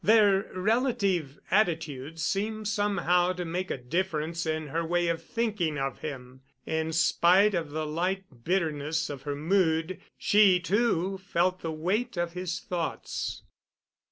Their relative attitudes seemed somehow to make a difference in her way of thinking of him. In spite of the light bitterness of her mood, she, too, felt the weight of his thoughts.